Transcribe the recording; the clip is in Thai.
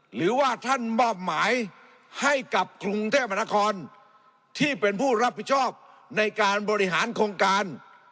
หรือว่าท่านมอบหมายให้กับกรุงเทพมหานครที่เป็นผู้รับผิดชอบในการบริหารโครงการ